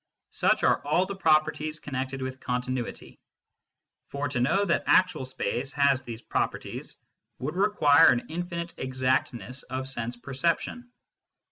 Such are all the properties connected with continuity. For to know that actual space has these properties would require an infinite exactness of sense perception.